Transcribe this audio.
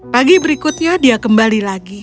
pagi berikutnya dia kembali lagi